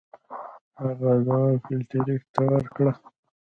هغه دوا فلیریک ته ورکړه.